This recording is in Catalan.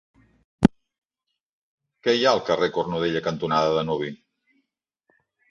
Què hi ha al carrer Cornudella cantonada Danubi?